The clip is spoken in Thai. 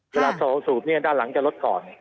เวลาสูบนี่ด้านหลังจะลดก่อน